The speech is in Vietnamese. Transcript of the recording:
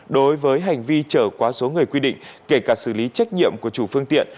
đối với hành vi trở quá số người quy định kể cả xử lý trách nhiệm của chủ phương tiện